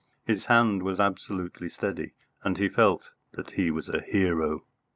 His hand was absolutely steady, and he felt that he was a hero.